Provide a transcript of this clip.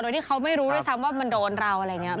โดยที่เขาไม่รู้ด้วยซ้ำว่ามันโดนเราอะไรอย่างนี้